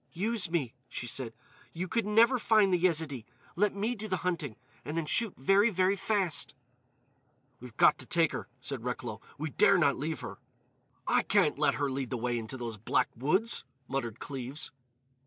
"Use me," she said. "You could never find the Yezidee. Let me do the hunting; and then shoot very, very fast." "We've got to take her," said Recklow. "We dare not leave her." "I can't let her lead the way into those black woods," muttered Cleves.